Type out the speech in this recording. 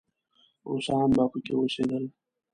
روسان به پکې اوسېدل.